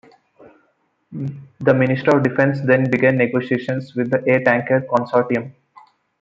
The Ministry of Defence then began negotiations with the AirTanker consortium.